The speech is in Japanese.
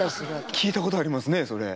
聞いたことありますねそれ。